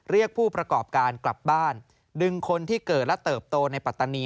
เรียกผู้ประกอบการกลับบ้านดึงคนที่เกิดและเติบโตในปัตตานี